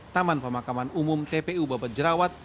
taman pemakaman umum tpu babat jerawat